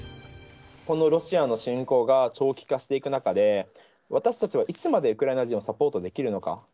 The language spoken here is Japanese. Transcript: このロシアの侵攻が長期化していく中で、私たちはいつまでウクライナ人をサポートできるのか。